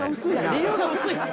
理由が薄いっす。